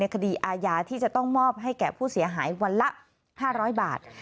คดีอาญาที่จะต้องมอบให้แก่ผู้เสียหายวันละ๕๐๐บาท